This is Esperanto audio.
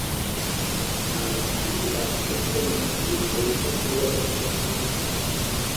Al tiu alteco neniu kreita viro estas levita.